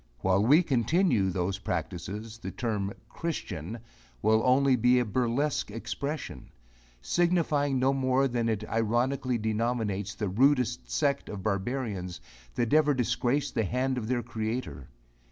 While we continue those practices the term christian will only be a burlesque expression, signifying no more than that it ironically denominates the rudest sect of barbarians that ever disgraced the hand of their Creator.